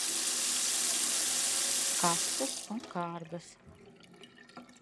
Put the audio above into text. Kastes un kārbas.